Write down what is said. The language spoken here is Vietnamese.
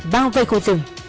bao vây khu rừng